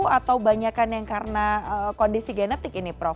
atau banyakan yang karena kondisi genetik ini prof